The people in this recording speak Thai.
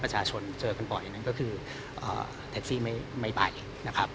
ประชาชนเจอกันบ่อยก็คือแท็กซี่ไม่ไปนะครับ